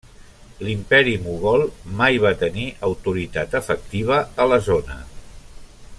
L'Imperi Mogol mai va tenir autoritat efectiva a la zona.